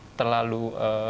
jangan terlalu berlebihan